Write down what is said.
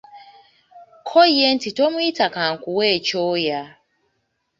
Kko ye nti tomuyita kankuwe ekyoya.